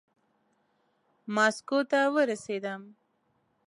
ماسکو ته ورسېدم.